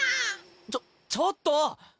ちょちょっと！